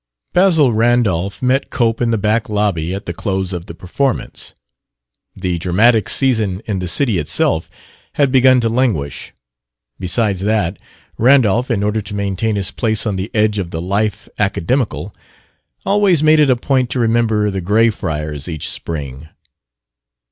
Basil Randolph met Cope in the back lobby at the close of the performance. The dramatic season in the city itself had begun to languish; besides that, Randolph, in order to maintain his place on the edge of the life academical, always made it a point to remember the Grayfriars each spring.